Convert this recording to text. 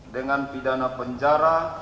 dengan pidana penjara